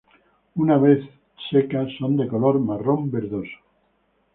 Una vez seca son de un color marrón-verdoso.